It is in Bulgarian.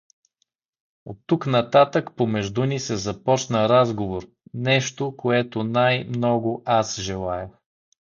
Оттук нататък помежду ни се започна разговор, нещо, което най-много аз желаех.